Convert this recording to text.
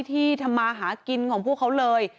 ที่ทำมาหากินของพวกเขาเลย